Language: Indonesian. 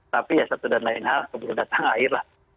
tapi satu dan lain hal baru datang air